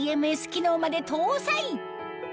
ＥＭＳ機能まで搭載！